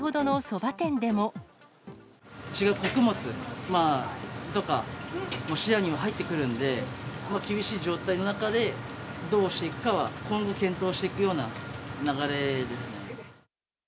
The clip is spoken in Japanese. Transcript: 違う穀物とか、視野には入ってくるんで、厳しい状態の中で、どうしていくかは、今後検討していくような流れですね。